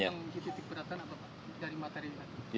atau dari materi materi